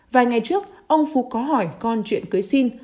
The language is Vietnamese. vài ngày trước ông phú có hỏi con chuyện cưới xin